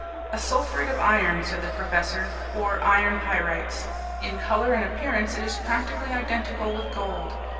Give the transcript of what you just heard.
"A sulphuret of iron," said the professor, "or iron pyrites. In colour and appearance it is practically identical with gold.